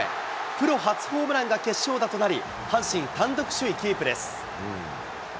プロ初ホームランが決勝打となり、阪神、単独首位キープです。